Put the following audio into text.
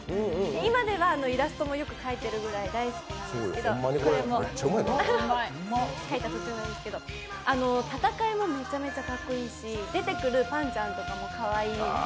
今ではイラストもよく描いてるぐらい大好きなんですけどこれも、描いた途中なんですけど戦いもむちゃくちゃかっこいいし、出てくる敵もかっこいい。